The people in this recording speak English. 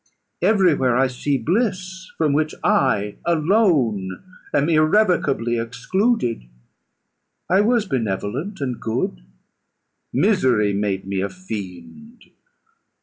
Every where I see bliss, from which I alone am irrevocably excluded. I was benevolent and good; misery made me a fiend.